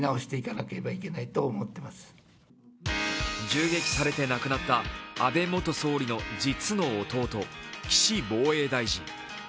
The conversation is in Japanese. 銃撃されて亡くなった安倍元総理の実の弟、岸防衛大臣。